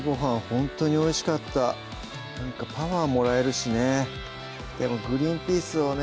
ほんとにおいしかったなんかパワーもらえるしねでもグリンピースをね